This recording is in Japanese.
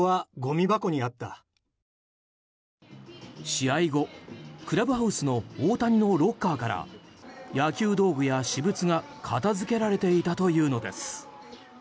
試合後、クラブハウスの大谷のロッカーから野球道具や私物が片付けられていたというのです。